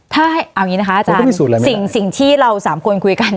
ถ้าเอาอย่างนี้นะคะอาจารย์สิ่งที่เราสามคนคุยกัน